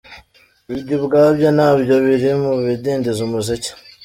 Ibyo ubwabyo na byo biri mu bidindiza umuziki.